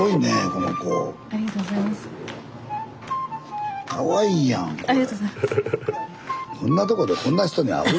こんなとこでこんな人に会う？